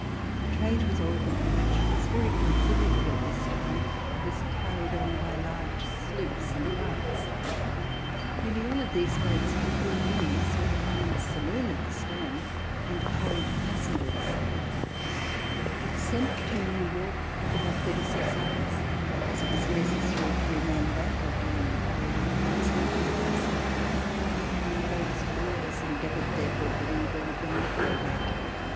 Trade with Albany, which was very considerable at this time, was carried on by large sloops and barks. Nearly all of these boats had good rooms, with a fine saloon at the stern, and carried passengers. The descent to New York took about thirty six hours, as it was necessary to remain at anchor during the period of the rising tides. The boats always en deavored therefore to leave Albany at daybreak.